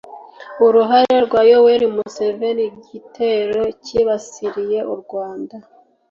uruhare rwa yoweri museveni gitero cyibasiye urwanda